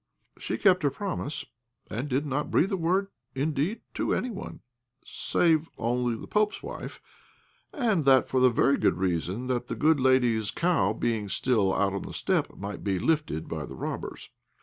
She kept her promise, and did not breathe a word indeed to anyone, save only to the Pope's wife, and that for the very good reason that the good lady's cow, being still out on the steppe, might be "lifted" by the robbers.